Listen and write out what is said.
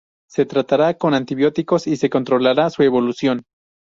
Se tratará con antibióticos y se controlará su evolución.